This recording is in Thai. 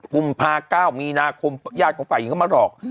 กุมภา๙มีนาคมญาติของฝ่ายหญิงเข้ามาหลอก